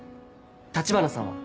立花さんは？